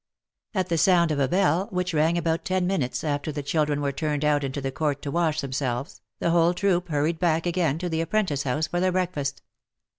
At the sound of a bell, which rang about ten minutes after the children were turned out into the court to wash themselves, the whole troop hurried back again to the apprentice house for their breakfast.